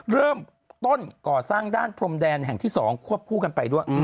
เริ่มต้นก่อสร้างด้านพรมแดนแห่งที่๒ควบคู่กันไปด้วย